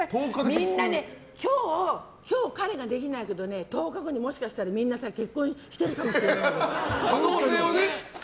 みんな、今日彼ができないけど１０日後にもしかしたら結婚してるかもしれないよ。